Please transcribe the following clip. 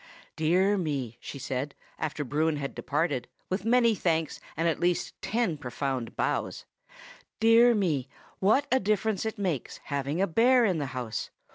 "Dear me!" she said, after Bruin had departed, with many thanks and at least ten profound bows,—"dear me! what a difference it makes, having a bear in the house!